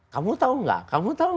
kamu tahu gak